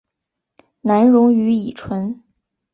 难溶于乙醇。